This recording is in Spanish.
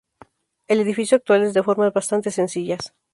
El edificio actual es de formas bastante sencillas.